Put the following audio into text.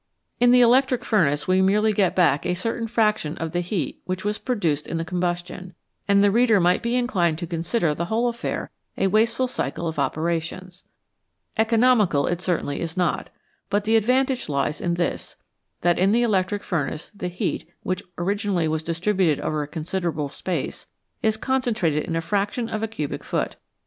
In the electric furnace we merely get back a certain fraction of the heat which was produced in the combustion, and the reader might be inclined to consider the whole affair a wasteful cycle of opera tions. Economical it certainly is not, but the advantage lies in this, that in the electric furnace the heat, which originally was distributed over a considerable space, is concentrated in a fraction of a cubic foot.